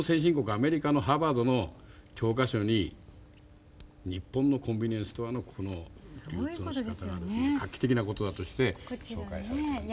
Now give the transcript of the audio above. アメリカのハーバードの教科書に日本のコンビニエンスストアのこの流通のしかたが画期的なことだとして紹介されています。